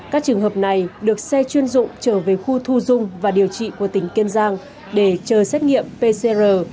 các trường hợp này được xe chuyên dụng trở về khu thu dung và điều trị của tỉnh kiên giang để chờ xét nghiệm pcr